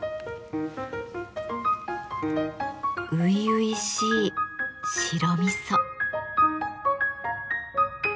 初々しい白味噌。